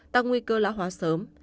tăng nguy cơ lão hóa sớm